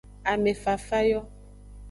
Ame fafa yo.